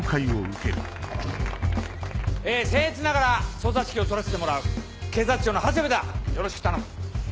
え僭越ながら捜査指揮を執らせてもらう警察庁の長谷部だよろしく頼む。